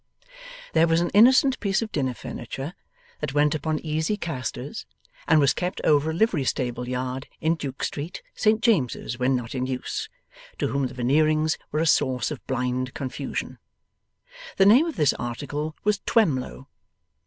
There was an innocent piece of dinner furniture that went upon easy castors and was kept over a livery stable yard in Duke Street, Saint James's, when not in use, to whom the Veneerings were a source of blind confusion. The name of this article was Twemlow.